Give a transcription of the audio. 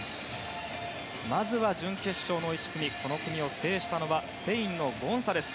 まずは準決勝の１組この組を制したのはスペインのゴンサレス。